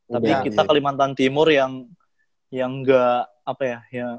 tapi kita kalimantan timur yang nggak apa ya